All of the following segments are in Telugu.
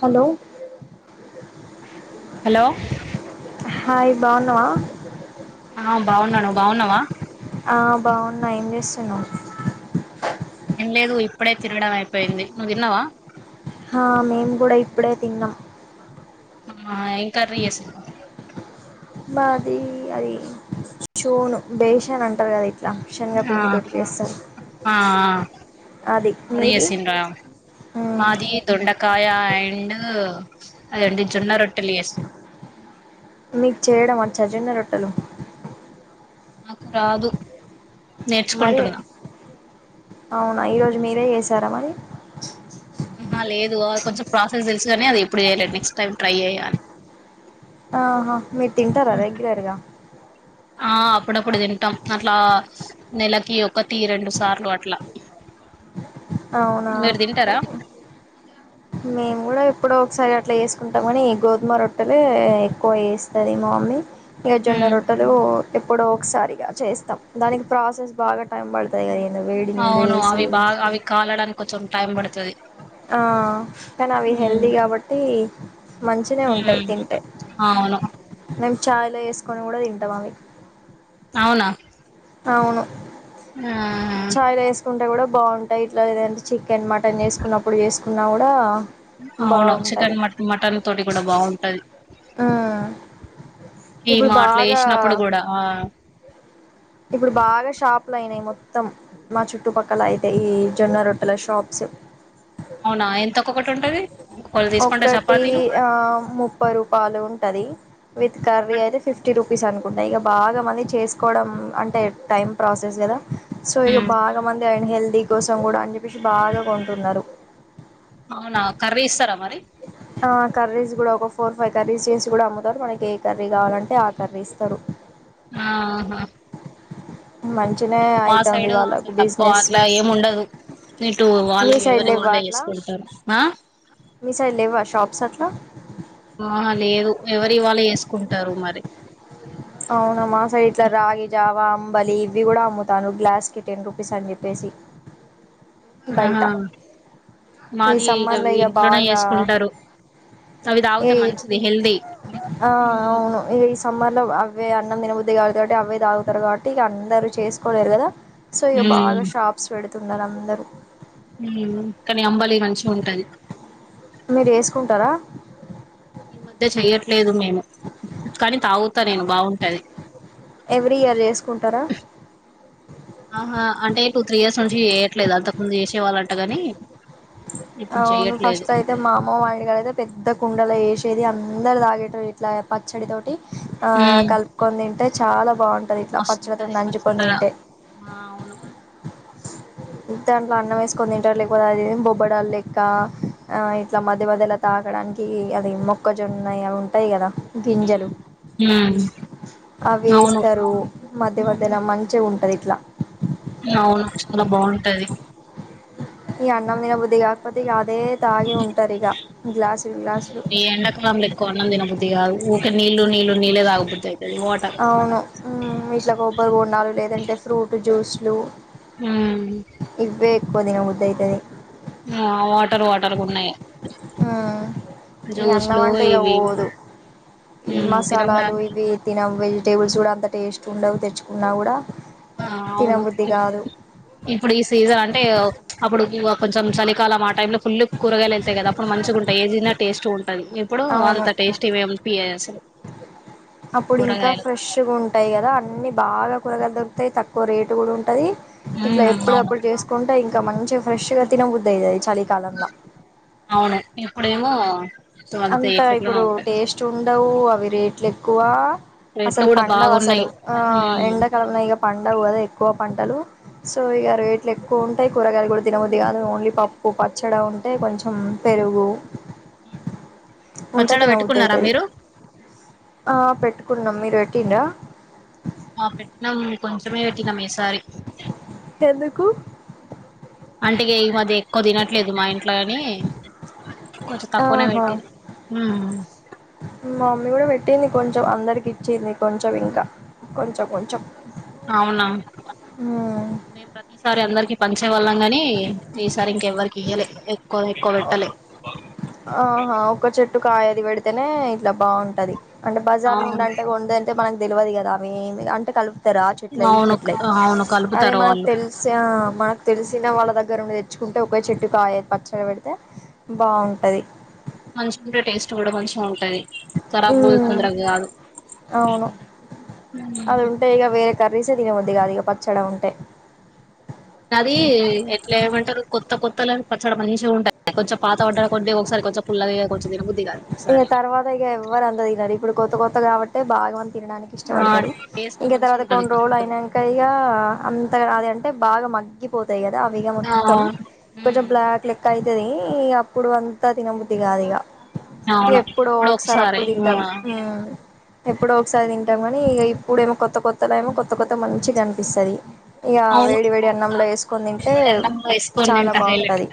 హలొ హలో హాయ్ బావున్నావా ఆ బాగున్నా నువ్వు బాగున్నావా? ఆ బాగున్న. ఏంచేస్తున్నావ్? ఏం లేదు ఇప్పుడె తినడం అయిపోయింది నువ్వు తిన్నావ? ఆ మేము కూడ ఇప్పుడే తిన్నాం ఆ ఏం కర్రీచేస్తున్నావ్ మాది అది షోను బేషన్ అంటారు కదా ఇ రా శనగ ఆ పిండితోటి చేస్తారు ఆ అది మీది ఉమ్ కాయ అండ్ అదండి జొన్న రొట్టెలు చేసినాం మీకు చేయడం వచ్చ జొన్న రొట్టెలు నాకు రాదు మరి నేర్చుకుంటున్నా అవునా ఇరోజ్ మీరే చేసారా మరి ఆహా లేదు అది కొంచెం ప్రాసెస్ తెలుసుగాని అది ఎప్పుడు చేయలేదు నెక్ట్స్ టైం ట్రై చేయ్యాలే ఆహా మీర్ తింటారా రెగ్యులర్గా ఆ అప్పుడప్పుడు తింటాం అట్లా నెలకి ఒకటి రెండు సార్లు అట్లా అవునా మీరు తింటారా మేము కూడా ఎప్పుడో ఒకసారి అ అట్లా ఏసుకుంటాం కానీ గోధుమ రొట్టెలే ఎక్కువ ఏస్తది మా మమ్మీ ఇగ జొన్న రొట్టెలు ఎప్పుడో ఒకసారిగా చేస్తాం దానికి ప్రాసెస్ బాగా టైం పడతాదిగా అవును అవి బాగా అవి కాలడానికి కొంచెం టైం పడతది ఆ కానీ అవి హెల్తీ కాబట్టి మంచినే ఉంటాయి హ్మ్ తింటే అవును మేం చాయ్లో ఏసుకొని కూడా తింటాం అవి అవునా అవును ఆ ఛాయ్లో వేసుకుంటే కూడా బాగుంటాయి ఇట్లా లేదంటే చిక్ కన్ మటన్ చేసుకున్నప్పుడు చేసుకున్నా కూడా అవును బాగుంటది చికెన్ మట్ మటన్ తోటి కూడా బాగుంటది ఉ ఇప్పుడు కీమా అట్లా బాగా వేసినప్పుడు కూడా ఆ ఇప్పుడు బాగా షాపులు అయినాయ్ మొత్తం మా చుట్టుపక్కల అయితే ఈ జొన్న రొట్టెల షాప్స్యు అవునా ఎంత ఒక్కొక్కటి ఉంటది ఒకవేళ తీసుకుంటే ఒక్కటి చపాతీలు ఆ ముప్పై రూపాయలు ఉంటది విత్ కర్రీ అన్ అయితే ఫిఫ్టీ రూపీస్ అను ఇగా బాగా మళ్ళీ చేసుకోవడం అంటే టైం ప్రాసెస్ కదా సో ఇగ హ్మ్ బాగా మంది అయిన హెల్త్ టీ కోసం కూడా అని చెప్పేసి బాగా కొంటున్నారు అవునా కర్రీ ఇస్తారా మరి ఆ కర్రీస్ కూడా ఒకో ఫోర్ ఫైవ్ కర్రీస్ చేసి కూడా అమ్ముతారు మనకి ఏ కర్రీ కావాలంటే ఆ కర్రీ ఇస్తారు ఆహా మంచినే ఏమో మా అయితుంది సైడ్ వాళ్ళకు కొంచం తక్కువ బిజినెస్ అట్లా ఏము ఉండదు ఇటు మీ వాళ్ళు సైడ్ ఎవరి లేవ్వ వాళ్ళే అట్లా చేసుకుంటారు సత ఆ లేదు ఎవరివాల్లే వేసుకుంటారు మరి అవునమ్ మా సైడ్ ఇట్ల రాగి జావా అంబలి ఇవి కూడా అమ్ముతాను గ్లాస్కి టెన్ రూపీస్ అని చెప్పేసి ఆహా బయట ఈ మాది సమ్మర్ లో గవ్వి ఇగ ఇంట్లోనే బాగా చేసుకుంటారు అవి ఈ తాగితే మంచిది హెల్దీ ఇవే అన్నం దినబుద్ధి కాగాదు కాబట్టి అవే తాగుతారు కాబట్టి ఇక అందరుూ చేసుకోలేరు కదా సో ఇగ బాగా షార్ప్స్ పెడతుంది తిన్నరందరూ కానీ అంబాలి మంచిగా ఉంటాయి మీరు చేసుకుంటారా ఈ మధ్య చెయ్యట్లేదు మేము కానీ తాగుతా నేను బాగుంటాది ఎవ్రీ ఇయర్ చేసుకుంటారా ఆహా అంటే టూ త్రీ ఇయర్స్ నుంచి చేయట్లేదు అంతకు ముందు చేసేవాలంటగాని అవును ఫస్ట్ అయితే మా అమ్మ వాళ్ళఇంటిగడయితే పెద్ద కుండలు వేసి చేది అందరి తగిట్ వీట్లా పచ్చడితో ఆ కలుపుకొని తింటే చాలా బాగుంటది ఇట్లా మస్తు ఉంటది పచ్చడితోని నంజుకొని తింటే ఆ అవును దాంట్లో అన్నం ఏస్కుని తింటారు లేకపోతే అది ఇదని బొబ్ ఉబ్బడా లెక్క ఇట్లా మధ్య మధ్యలా తాగడానికి అది మొక్కజొన్నయి అవి ఉంటాయి కదా గింజలు ఉమ్ ఉమ్ అవి అవును వేస్తారు మధ్య మధ్యలా మంచిగుంటది ట్ల అవును చాలా బాగుంటది ఈ అన్నం తినబుద్ధిగాకపోతేదు గా గ్లాసులు ఈ ఎండ కాలం ల ఎక్కువ అన్నం తినబుద్ధి కాదు ఊక నీళ్లు నీళ్లు నీళ్లేే తాగాబుద్ధి అయితు అవును మ్మ్ ఇట్ల కొబ్బరి బొండాలు లేదంటే ఫ్రూట్ జ్యూస్ లు మ్మ్ క్కువ తినబుద్ధైతది ఆ వాటర్ వాటర్గున్నాయ్ ఆ ఈ అన్నం అంటే ఇక ఇవి పోదు ఈ తినలా మసాలాలు ఇవి తినం వెజి టేబుల్స్ కూడా అంత టేస్ట్ ఉండవు తెచ్చుకున్నా కూడా ఆ అవును తినబుద్ధి కాదు ఇప్పుడు ఈ సీజన్ అంటే అప్పుడు ఇ కొంచం చలికాలం ఆ టైంలో లో ఫుల్ కూరగాయలు ఐతాయి కదాప్పుడు మంచిగాంటాయి ఏదిన్న టేస్ట్ ఉంటు ఇప్పుడు అవును అంత టేస్ట్ ఇవే ప అసలు అప్పుడు ఇంకా కూరగాయలు ఫ్రెష్గా ఉంటాయి కదా అన్ని బాగా కూరగా దొరుకుతాయి త కొ రేటు కూడా ఉంటది ఇట్లా ఉమ్ ఎప్పుడు అవును తప్పుడు చేసుకుంటే ఇం క మంచివ్ ఫ్రెష్గా తిన బుద్దఇదది చలికాలంలా అవును ఇప్పుడేమో అంత అంతా ఎట్లెట్లనో ఇప్పుడు ఉంటాయి టేస్ట్ ఉండవు అవి రేట్లు ఎక్కువ రేట్లు అసలు కూడా పండవు అసలు బాగున్నాయి ఆ ఎండాకాలంన ఇగ పండవు గదా ఎక్కువ పంటలు సో ఇగ రేట్లు ఎక్కువ ఉంటాయి కూరగాయలు కూడా తినబుద్ది కాదు ఓన్లీ పప్పు పచ్చడి అ ఉంటే కొంచెం పెరుగు హ్మ్ ఉంటే పచ్చడ తినబుద్ది పెట్టుకున్నారా అయితది మీరు ఆ పెట్టుకున్నాం మీరు పెంటిండ ఆ పెట్టినాం కొంచమే పెట్టినాం ఈ సారి ఎందుకు అంటిగే ఈ మద్య క్కువ తినట్లేదు మా ఇంట్లో లాని కొంచం తక్కువనే ఆహా పెట్టినా మమ్మీ కూడా పెట్టింది కొంచం అందరికి ఇచ్చింది కొంచం ఇంకా కొంచం కొంచం అవునా మేము ప్రతిసారి అందరికి పంచే వాళ్ళం గాని ఈసారి ఇంకెవ్వరికి ఇయ్యలే ఎక్కువ పెట్టలే ఆహా ఒకట్ చెప్ [unintelligible] కాయది పెడితేనే ఇట్లా బాగుంటది అంటే బజార్ నుండి అవును అంటే ఉండేంతే మనకి తెల్యది కదా ఆమి అంటే కలు ఎక్తారు ఆ చెట్లే ఈ అవును చెట్లే అవును అదే కలుపుతారు మాక్ వాళ్ళు తెల్సిన మాక్ తెలిసిన వాళ్ళ దగ్గర [unintelligible] తెచ్చుకుంటే ఒకే చెట్టు కాయద్ పచ్చగా పెడ్ అయితే బాగుంటది మంచ్గుండె టేస్ట్ కూడా మంచ్ ఉం తది తరా పోదు ఉమ్ తొందరగా కాదు అవును అది ఉంటే ఇక వేరే కర్రీసే తిన బుద్ది గాదు ఇగా పచ్చడా ఉంటే అది ఎట్లా ఏమంటారు కొత్త కొత్తల పచ్చడి మనిషి ఉంటాయి కొంచం పాత పడ్డా కొద్ధి ఒకసారి కొంచెం పుల్లగా ఐపోతుంది తిన్న బుద్ ఇక తర్వాత ఇక ఎవ్వరు అందరు దినరుఇప్పుడు కొత్త కొత్త కాబట్టి తే భాగావంత్ తినడానికి ఆ ఇష్టపడతారు టేస్ట్ ఇంక మంచిగా తర్వాత ఉంటది కొన్ కొత్త రోల్ కొత్త అయినాక ఇక అంతగా రాదే అంటే బాగా మగ్గిపోతాయి గాద్ అవిగా ఆ మొత్తం కొంచెం ఉమ్ బ్లాక్ లెక్క ఐతది ఈ అప్పుడు అంతా తినబుద్ది కాదు ఇక అవును ఎప్పుడో ఎప్పుడుఒకసారి ఒకసారి అప్పుడు ఆ తింటాం ఎప్పుడు ఒకసారి ఇంకా కానీ ఇప్పుడ ఏమో కో కొత్త కొత్త టైమో కొత్త కొత్త మంచి కనిపిస్తుంది ఎ ఇస్కో చాలా నింటా హలిట్ బాగుంటది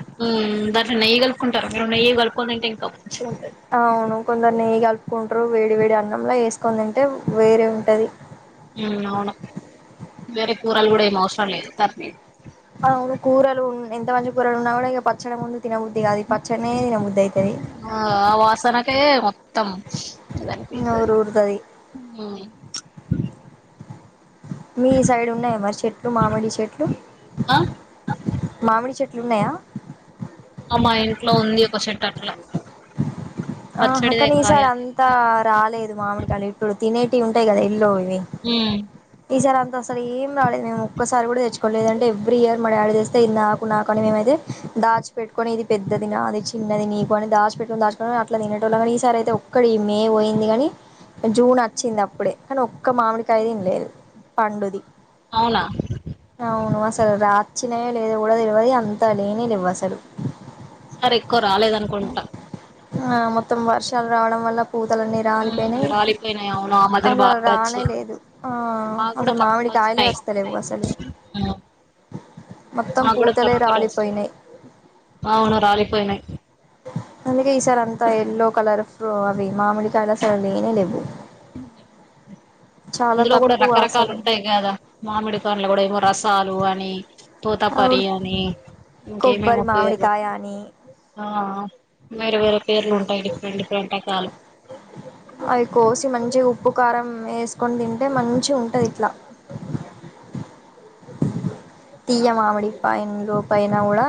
దర నయ్యి కల్కంటారురు నయ్యి కల్కొ నింటా ఇంకా మంచిగా ఉంటది అవును కొందరిని ఈ అప కుంటారు వేడి వేడి అన్నంలా వేసుకోనింటే వేరే ఉంటది అవును వేర కూూరాలు కూడాడ మోసం లేదు తరణదు అవును కూరలు ఎంత మంచి కూరలు ఉన్నా కూడా ఇక పచ్చడి ముందు తినబుద్ధది కాదు పచ్చనే తినబుద్ధి అవుతుది ఏ మొత్తం ఎలాపితు నోరు ఊరుతది మీ సైడ్ ఉన్నాయ మరి చెట్లు మామిడి చెట్లు ఆ మామిడి చెట్లు ఇన్నాయా మా ఇంట్లో ఉంది ఒక సెట్ అట్లా ఆ అక్క పచ్చడిదే న కాయ ఈసారి అంతా రాలేదు మామిడిగాళ్ళ ఇప్పుడు తినే ంటాయి కదా ఇల్లు ఉమ్ ఈసరా అసలు ఏం రాలేదు మేము ఒక్కసారి కూడా తెచ్చుకో లేదంటే ఎవ్రీ ఇయర్ మరి యాడ్ చేస్తే ఇది నాకు నాకని మేమైతే దాచి పెట్టుకొని ఇది పెద్దది నా అది చిన్నది నీకు అని దాచు పెట్టుని దాచుకునిని అట్లా తినేట వాళ్ళ కానీ ఈసారి అయితే ఒక్కడ ఈ మే పోయింది కాని జూన్ వచ్చింది అప్పుడే కానీ ఒక్క మామిడికాయ తినలేదు పండుది అవునా అవునుమా సరే రాచి చ్చినయో లేదా కూడా తెలివది అంతా లేనిని ఇవ్వసడు ఈసారి ఎక్కువ రాలేద అనుకుంటా ఆ మొత్తం వర్షాలు రావడం వల్ల పూతలన్నీ ఉమ్ రాలిపోయినాయి రాలిపోయినాయి అవును ఆ మధ్యన అసలు బాగా వచ్చాయి రానేలేదు మాకు కూడా అసలు మామిడి తక్కువ కాయలే వచ్చినాయి వస్తలేవు అసలు ఉమ్ మొత్తం మాకు కూడా పూతలే కక్కలు వచ్చినాయి రాలిపోయినాయి అవును రాలిపోయినాయి అలాగే ఈసార్ అంతా ఎల్లో కలర్ ఫ అవి మామిడికాయల సార్ లేనే లేవు చాలా అందులో కూడా తక్కువ రకరకాలు అసలు ఉంటాయి కదా మామిడి పనులు కూడా ఏమో రసాలు అ అ తోత పరి అవుడు అని కొబ్బరి ఇంకేమేమి పోయారు మామిడికాయ అని ఆ మీరు వేరే పేర్లు ఉంటాయి డిఫరెంట్ డిఫరెంట్ వంటకాలు అయ్యి కోసి మంచి ఉప్పు కారం వేసుకొని తింటే మంచిగా ఉంటది ఇట్ల తీయ మామిడిపాయిం దుపైనా కూడా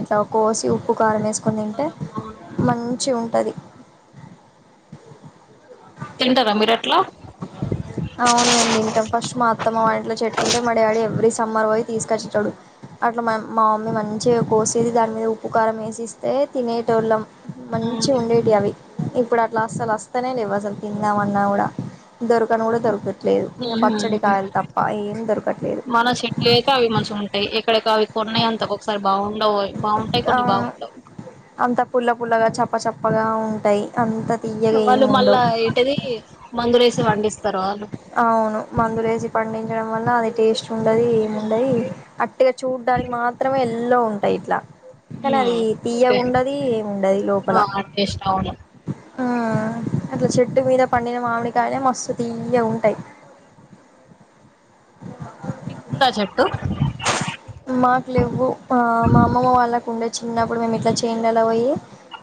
ఇట్లా కోసి ఉప్పు కారం వేసి కొని తింటే అవును మంచిగా ఉంటాయి మంచిగుంటది తింటారా మీరు అట్లా అవును మేం తింటాం ఫస్ట్ మా అత్తమ్మ వాళ్ళింట్లో చెట్టు ఉండే మా డాడీ ఎవరీ సండే సమ్మర్ పోయి తీసుకొచ్చేటోడు అట్ల మ్మ మమ్మీ మంచిగా కోసేది దానిమీద ఉప్పు కారం వేసి ఇస్తే తినేటోళ్లం. మంచిగుండేటివి అవి ఇప్పుడు అట్లా అస్సలు వస్తనే లేవు అవి తిందాం అన్న కూడా దొరుకు దరకను కూడా దరుకట్ లేదు ఇక పచ్చడి కాయలు తప్ప ఏం దరకట్లేదు ఇక్కడ కాయలు కొన్ని అంతగా ఒక్కొక్కసారి అంతా బాగుండవోయ్ అవును అంత పుల్లపు పుల్లగా చాప చెప్పగా ఉంటాయి తీయగా వాళ్ళు ఏమి మల్ల ఉండవు ఏంటిది మందులేసి పండిస్తారు అవును అవును మందులేసి పండించడం వల్ల అది టేస్ట్ ఉండదు ఏముండది ఉట్టిగా చూడానికి మాత్రమే ఎల్లో ఉంటాయి ఇట్లా కానీ అది హ్మ్ టే తీయగుండది ఏముండదు లోపల. ఆ టేస్ట్ అవును ఆ అట్లా చెట్టు మీద పండిన మామిడికాయ మస్త్ తియ్యగా ఉంట ఐ మీకుందా చెట్టు మాకు లెవ్వు మా అమ్మమ్మ వాళ్లకు ఉండే చిన్నప్పుడు మేము ఇట్లా చెట్లు చేనులల్లా పోయి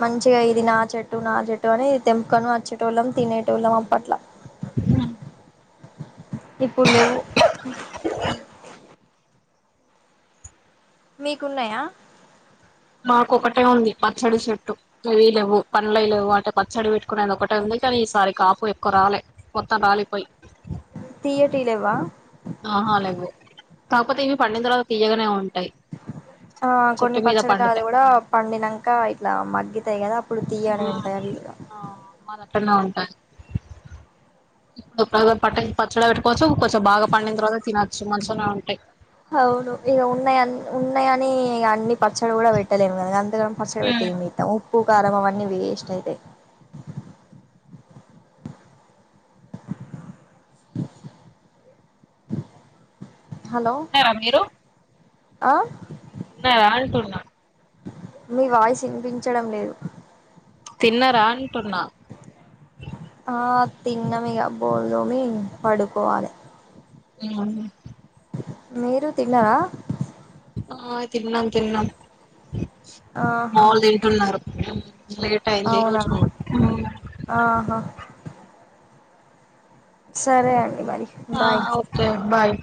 మంచిగా ఇది నాది చెట్టు నా చెట్టు అని తెంపుకొని వచ్చేటోళ్ళం తినేటోళ్లం ఆపట్ల ఇప్పుడు లేవు మీకు ఉన్నాయా మాకు ఒకటే ఉంది పచ్చడి చెట్టు ఇవీ లేవు పండ్లై లెవ్వు అంటే పచ్చడి పెట్టుకునేది ఒకటే ఉంది కానీ ఈసారి కాపు ఎక్కువ రాలే మొత్తం రాలిపోయి తీయటియి లెవ్వా ఆహా లేవు కాకపోతే ఇవి పండిన తర్వాత తీయగానే ఉంటా ఆ కొన్ని పచ్చడి కాయలు పండితే కూడా పండినంక ఇట్లా మగ్గితేయి కదా అప్పుడు తీయగానే ఉంటాయి అవి ఇగ టై ఇప్పుడు పట్ట పచ్చడా పెట్కోచ్చుంచెం బాగా పండిన తర్వాత తినచ్చు మంచించగా ఉంటాయి అవును ఇక ఉన్నాయ ఉన్నాయ అని అన్ని పచ్చడి కూడా పెట్టలేం కనుక అంతకగాని పచ్చడి పెట్టే హ్మ్ ఏమిా ప్పు కారంభం అన్నీ ఇష్ట అయితే హలో తిన్నారా మీరు ఆ తిన్న ఆళంటూన్నా మీ వాయిస్ వినిపించడం లేదు తిన్నారంట ఉన్నా ఆ తిన్నమిగా బోమి పడుకోవాలి ఆ మీరు తిన్నరా ఆ తిన్నాం తిన్నాం ఇంకా ఆహా మాములు తింటున్నారు అ లేట్ అయింది ఈ అవునా రోజు ఆహా సరే అండి మరి ఆ బాయ్ ఓకే బాయ్